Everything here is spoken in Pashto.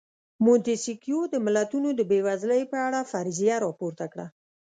مونتیسکیو د ملتونو د بېوزلۍ په اړه فرضیه راپورته کړه.